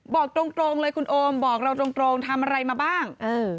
บอกตรงเลยคุณโอมบอกเราตรงทำอะไรมาบ้าง